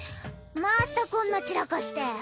またこんな散らかして！